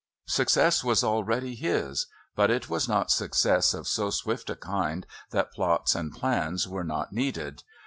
Success already was his, but it was not success of so swift a kind that plots and plans were not needed.